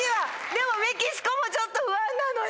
でもメキシコもちょっと不安なのよ。